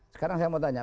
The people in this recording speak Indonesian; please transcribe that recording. sekarang saya mau tanya